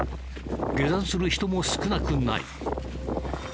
下山する人も少なくない。